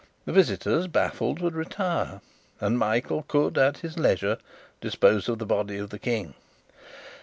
The visitors, baffled, would retire, and Michael could, at his leisure, dispose of the body of the King.